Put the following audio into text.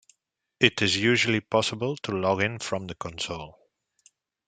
It is usually possible to log in from the console.